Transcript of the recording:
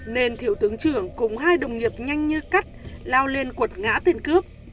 nên thiểu tướng trưởng cùng hai đồng nghiệp nhanh như cắt lao lên cuột ngã tên cướp